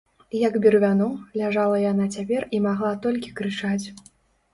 Як бервяно, ляжала яна цяпер і магла толькі крычаць.